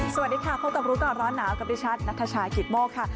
สวัสดีค่ะพบกับรู้ก่อนร้อนหนาวกับดิฉันนัทชายกิตโมกค่ะ